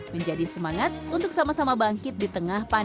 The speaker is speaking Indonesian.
menjadi semangat menjaga kekuatan dan menjaga kekuatan